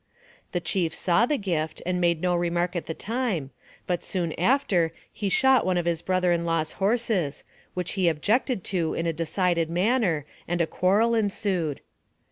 The chief saw the gift, and made no remark at the time, but soon after he shot one of his brother in law's horses, which he objected to in a decided manner, and a quarrel ensued.